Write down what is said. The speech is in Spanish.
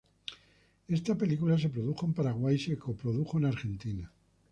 Esta película se produjo en Paraguay y se coprodujo con Argentina.